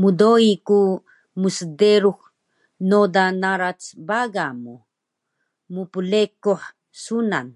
mdoi ku msderux noda narac baga mu mplekuh sunan